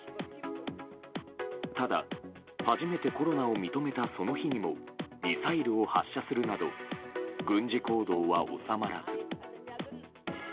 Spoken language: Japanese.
ただ、初めてコロナを認めたその日にもミサイルを発射するなど軍事行動は収まらず。